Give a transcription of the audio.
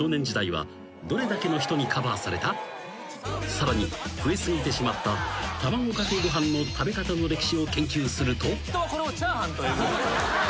［さらに増え過ぎてしまった卵かけご飯の食べ方の歴史を研究すると］